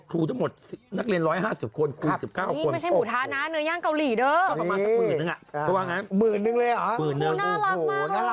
ก็ประมาณสักหมื่นนึงอ่ะเพราะว่าอย่างงั้นหมื่นนึงเลยหรอครูน่ารักมากเลยน่ารักอ่ะ